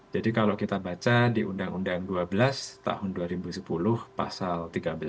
kalau kita baca di undang undang dua belas tahun dua ribu sepuluh pasal tiga belas